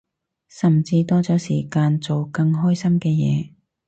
甚至多咗時間做更開心嘅嘢